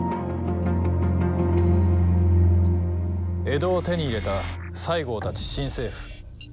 江戸を手に入れた西郷たち新政府。